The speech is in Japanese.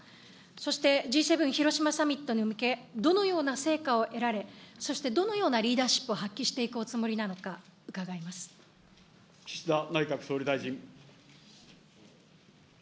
そしてＧ７広島サミットに向け、どのような成果を得られ、そしてどのようなリーダーシップを発揮していくおつもりなのか伺岸田内閣総理大臣。